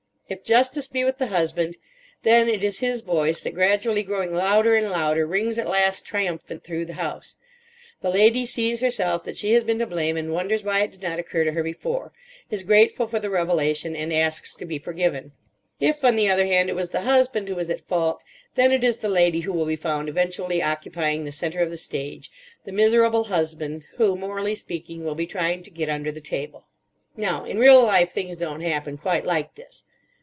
If justice be with the husband, then it is his voice that, gradually growing louder and louder, rings at last triumphant through the house. The lady sees herself that she has been to blame, and wonders why it did not occur to her before—is grateful for the revelation, and asks to be forgiven. If, on the other hand, it was the husband who was at fault, then it is the lady who will be found eventually occupying the centre of the stage; the miserable husband who, morally speaking, will be trying to get under the table. Now, in real life things don't happen quite like this.